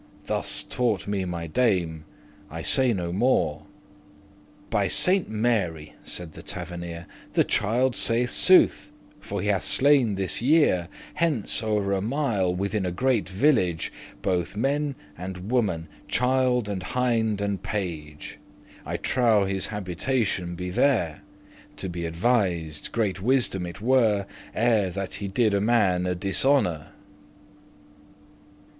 Thus taughte me my dame; I say no more." "By Sainte Mary," said the tavernere, "The child saith sooth, for he hath slain this year, Hence ov'r a mile, within a great village, Both man and woman, child, and hind, and page; I trow his habitation be there; To be advised* great wisdom it were, *watchful, on one's guard Ere* that he did a man a dishonour."